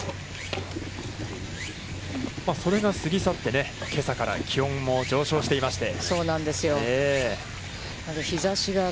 それが過ぎ去って、けさから気温も上昇していまして。